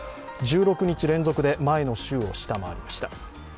１６日連続で前の週を下回りました。